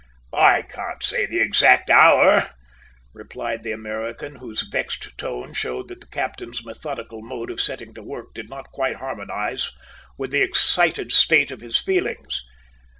"I can't say the exact hour," replied the American, whose vexed tone showed that the captain's methodical mode of setting to work did not quite harmonise with the excited state of his feelings.